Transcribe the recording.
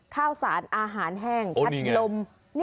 ข้าวสารอาหารแห้งพัดลม